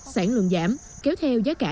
sản lượng giảm kéo theo giá cả